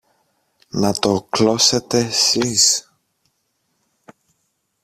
Να το κλώσετε σεις!